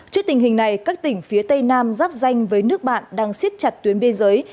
trước tình hình này các tỉnh phía tây nam giáp danh với nước bạn đang siết chặt tuyến biên giới